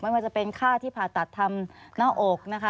ไม่ว่าจะเป็นค่าที่ผ่าตัดทำหน้าอก